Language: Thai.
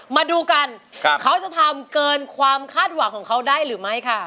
มาดูกันเขาจะทำเกินความคาดหวังของเขาได้หรือไม่ค่ะ